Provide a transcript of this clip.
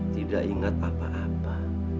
tidak ingat apa apa